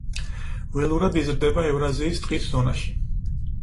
ველურად იზრდება ევრაზიის ტყის ზონაში.